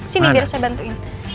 sini biar saya bantuin